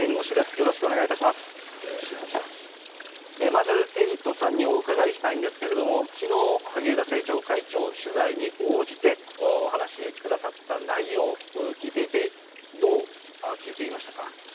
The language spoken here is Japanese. まずエイトさんにお伺いしたいんですけれども、きのう、萩生田政調会長、取材に応じてお話しくださった内容、聞いていて、どう聞いていましたか。